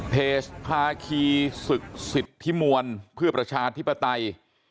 เพจภาคีศึกสิทธิมวลเพื่อประชาธิปไตย